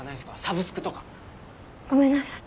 ごめんなさい